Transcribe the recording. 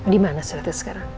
di mana suratnya sekarang